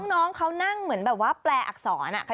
น้องเขานั่งเหมือนแบบว่าแปลอักษร